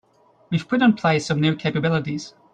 We’ve put in place some new capabilities.